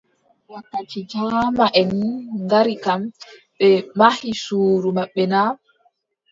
Wakkati jaamaʼen ngari kam, ɓe mahi suudu maɓɓe na ?